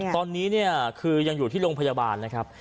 ตอนนี้ยังอยู่ที่โรงพยาบาลนะครับ